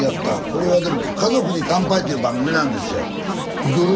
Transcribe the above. これはでも「家族に乾杯」っていう番組なんですよ。